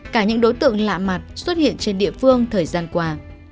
cả những đối tượng lạ mặt xuất hiện trên địa phương thời gian qua